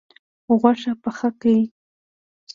غوښه پخه کړئ